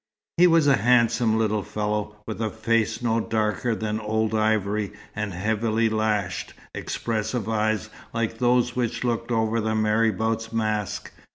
He was a handsome little fellow, with a face no darker than old ivory, and heavily lashed, expressive eyes, like those which looked over the marabout's mask.